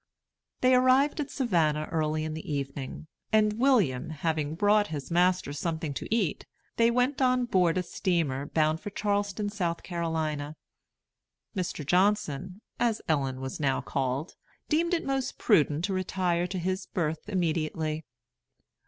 They arrived at Savannah early in the evening, and William having brought his master something to eat, they went on board a steamer bound for Charleston, South Carolina. Mr. Johnson, as Ellen was now called, deemed it most prudent to retire to his berth immediately.